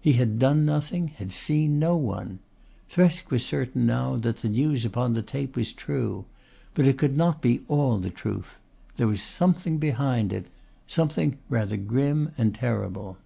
He had done nothing, had seen no one. Thresk was certain now that the news upon the tape was true. But it could not be all the truth. There was something behind it something rather grim and terrible.